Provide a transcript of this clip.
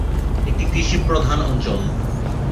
একটি কৃষিপ্রধান অঞ্চল।